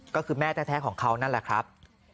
ก็คือแม่แท้ของเขานั่นแหละครับ